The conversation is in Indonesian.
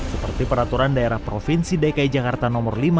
seperti peraturan daerah provinsi dki jakarta nomor lima